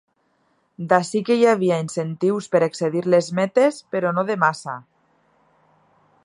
D'ací que hi havia incentius per excedir les metes, però no de massa.